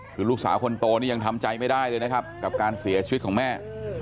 คือลูกสาวคนโตนี่ยังทำใจไม่ได้เลยนะครับกับการเสียชีวิตของแม่